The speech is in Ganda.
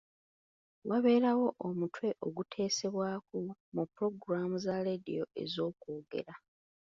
Wabeerawo omutwe oguteesebwako mu pulogulaamu za laadiyo ez'okwogera.